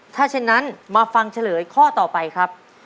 ถ้าฉะนั้นมาฟังเฉลยข้อต่อไปครับ